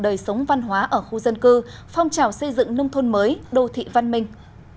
đời sống văn hóa ở khu dân cư phong trào xây dựng nông thôn mới đô thị văn minh